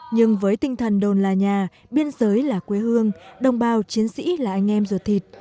nhưng với tinh thần đồn là nhà biên giới là quê hương đồng bào chiến sĩ là anh em ruột thịt